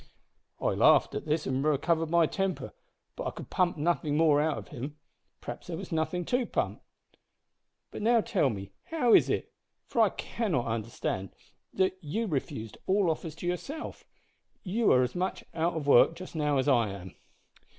"I laughed at this and recovered my temper, but I could pump nothing more out of him. Perhaps there was nothing to pump. But now tell me, how is it for I cannot understand that you refused all offers to yourself? You are as much `out of work' just now as I am."